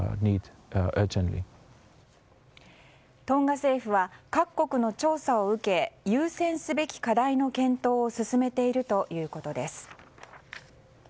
トンガ政府は各国の調査を受け優先すべき課題の検討を進めているということです。